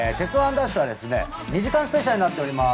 ＤＡＳＨ！！』は２時間スペシャルになっております。